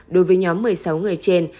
đối với nhóm một mươi sáu người trên